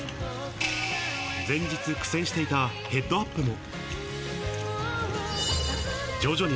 前日、苦戦していたヘッドアップも。